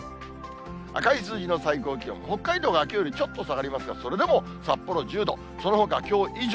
赤い数字の最高気温、北海道がきょうよりちょっと下がりますが、それでも札幌１０度、そのほか、きょう以上。